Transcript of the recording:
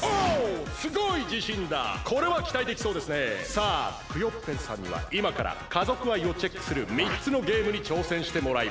さあクヨッペンさんにはいまから家族愛をチェックする３つのゲームにちょうせんしてもらいます。